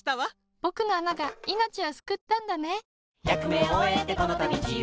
ぼくのあながいのちをすくったんだね。